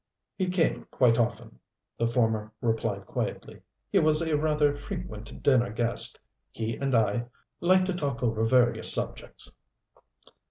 "He came quite often," the former replied quietly. "He was a rather frequent dinner guest. He and I liked to talk over various subjects."